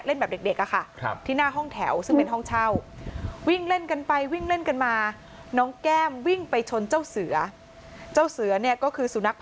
แบบเด็กอะค่ะที่หน้าห้องแถวซึ่งเป็นห้องเช่า